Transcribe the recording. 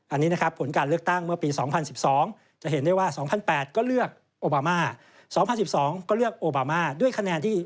อันนี้ผลการเลือกตั้งเมื่อปี๒๐๑๒